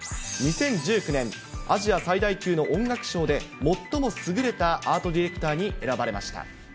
２０１９年、アジア最大級の音楽賞で、最も優れたアートディレクターに選ばれました。